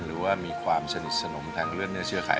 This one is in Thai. หรือว่ามีความสนิทสนมทางเลือดเนื้อเชื่อขาย